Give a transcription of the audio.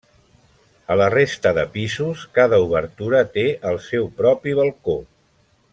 A la resta de pisos, cada obertura té el seu propi balcó.